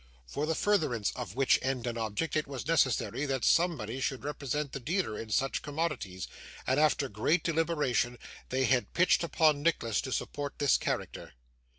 For the furtherance of which end and object it was necessary that somebody should represent the dealer in such commodities, and after great deliberation they had pitched upon Nicholas to support this character.